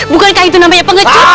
bukankah itu namanya pengecut